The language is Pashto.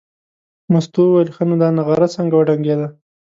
مستو وویل ښه نو دا نغاره څنګه وډنګېده.